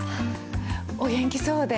お元気そうで。